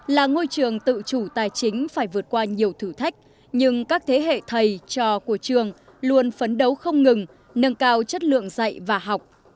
là ngôi trường tự chủ tài chính phải vượt qua nhiều thử thách nhưng các thế hệ thầy trò của trường luôn phấn đấu không ngừng nâng cao chất lượng dạy và học